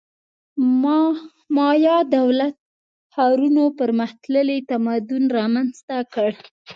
مایا دولت ښارونو پرمختللی تمدن رامنځته کړ